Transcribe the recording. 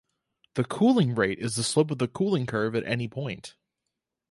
The "cooling rate" is the slope of the cooling curve at any point.